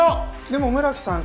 でも村木さん